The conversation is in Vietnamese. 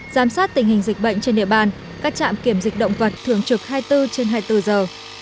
giám sát tình hình dịch bệnh trên địa bàn các trạm kiểm dịch động vật thường trực hai mươi bốn trên hai mươi bốn giờ